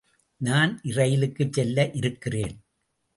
நான் இரயிலுக்குச் செல்ல இருக்கிறேன்.